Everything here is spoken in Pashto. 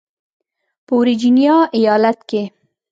په ورجینیا ایالت کې